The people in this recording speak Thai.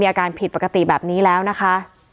อาการผิดปกติแบบนี้แล้วนะคะ